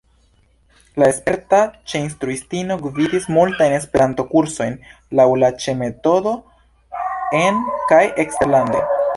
La sperta Ĉe-instruistino gvidis multajn Esperanto-kursojn laŭ la Ĉe-metodo en- kaj eksterlande.